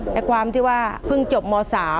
แต่ความที่ว่าเพิ่งจบม๓